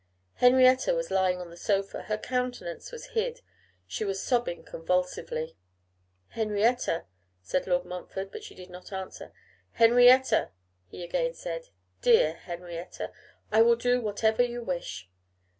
Henrietta was lying on the sofa, her countenance was hid, she was sobbing convulsively. 'Henrietta,' said Lord Montfort, but she did not answer. 'Henrietta, he again said, 'dear Henrietta! I will do whatever you wish.